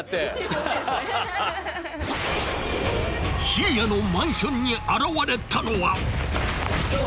［深夜のマンションに現れたのは］